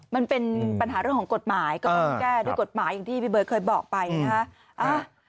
มันเป็นปัญหาเรื่องของกฎหมายก็ต้องแก้ด้วยกฎหมายอย่างที่พี่เบิร์ตเคยบอกไปนะฮะ